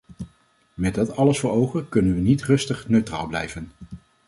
Met dat alles voor ogen kunnen we niet rustig neutraal blijven.